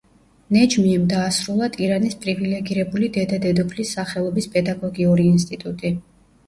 ნეჯმიემ დაასრულა ტირანის პრივილიგირებული დედა-დედოფლის სახელობის პედაგოგიური ინსტიტუტი.